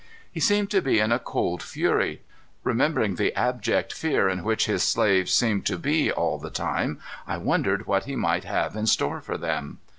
He seemed to be in a cold fury. Remembering the abject fear in which his slaves seemed to be all the time, I wondered what he might have in store for them.